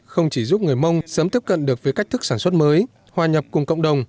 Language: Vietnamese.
không chỉ giúp người mông sớm tiếp cận được với cách thức sản xuất mới hòa nhập cùng cộng đồng